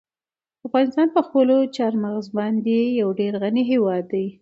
افغانستان په خپلو چار مغز باندې یو ډېر غني هېواد دی.